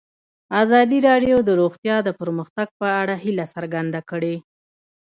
ازادي راډیو د روغتیا د پرمختګ په اړه هیله څرګنده کړې.